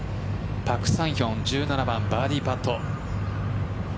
パク・サンヒョン１７番、バーディーパット。